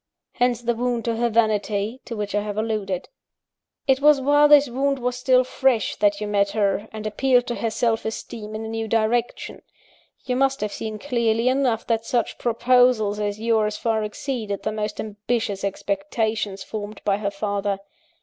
Hence the wound to her vanity, to which I have alluded. "It was while this wound was still fresh that you met her, and appealed to her self esteem in a new direction. You must have seen clearly enough, that such proposals as yours far exceeded the most ambitious expectations formed by her father.